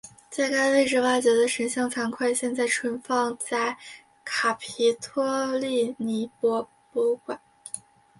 在该位置挖掘的神像残块现在存放在卡皮托利尼博物馆。